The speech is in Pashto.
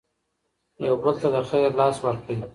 یو بل ته د خیر لاس ورکړئ.